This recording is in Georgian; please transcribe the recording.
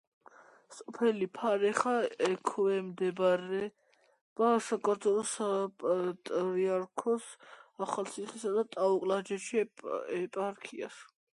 სოფელი ფარეხა ექვემდებარება საქართველოს საპატრიარქოს ახალციხისა და ტაო-კლარჯეთის ეპარქიას.